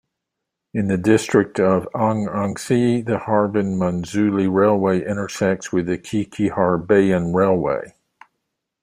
In the district of Ang'angxi, the Harbin-Manzhouli Railway intersects with the Qiqihar-Bei'an Railway.